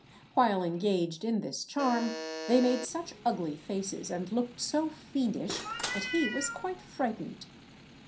While engaged in this charm, they made such ugly faces, and looked so fiendish, that he was quite frightened.